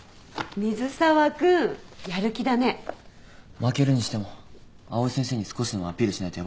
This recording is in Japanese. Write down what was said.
負けるにしても藍井先生に少しでもアピールしないとヤバいんで。